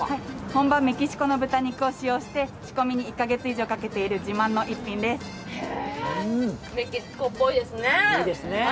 本場メキシコの豚肉を使用して仕込みに１か月以上かけているメキシコっぽいですね。